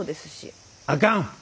あかん！